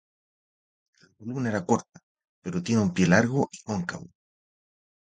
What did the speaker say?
La columna es corta, pero tiene un pie largo y cóncavo.